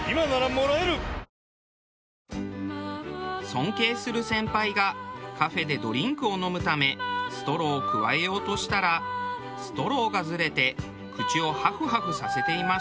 尊敬する先輩がカフェでドリンクを飲むためストローをくわえようとしたらストローがずれて口をハフハフさせていました。